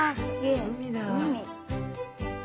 海だ。